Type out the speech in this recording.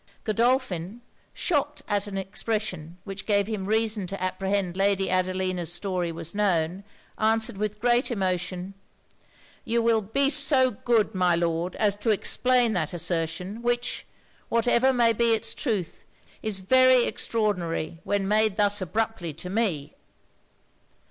Godolphin, shocked at an expression which gave him reason to apprehend Lady Adelina's story was known, answered with great emotion 'You will be so good, my Lord, as to explain that assertion; which, whatever may be it's truth, is very extraordinary when made thus abruptly to me.'